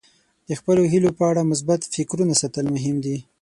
د خپلو هیلو په اړه مثبت فکرونه ساتل مهم دي.